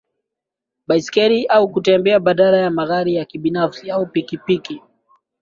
baiskeli au kutembea badala ya magari ya kibinafsi au pikipiki